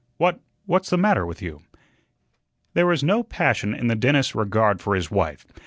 What what's the matter with you?" There was no passion in the dentist's regard for his wife.